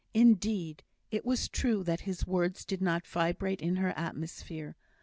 Indeed, it was true that his words did not vibrate in her atmosphere.